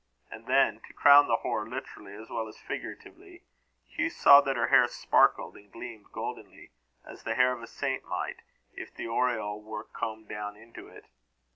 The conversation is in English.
And then, to crown the horror literally as well as figuratively, Hugh saw that her hair sparkled and gleamed goldenly, as the hair of a saint might, if the aureole were combed down into it.